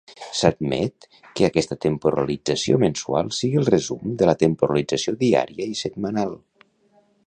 S'admet que aquesta temporalització mensual sigui el resum de la temporalització diària i setmanal.